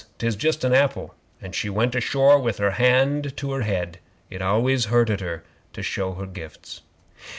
"'Tis just a apple," and she went ashore with her hand to her head. It always hurted her to show her gifts.